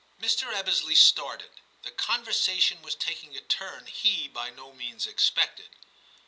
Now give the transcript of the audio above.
Mr. Ebbesley started. The conversation was taking a turn he by no means ex pected.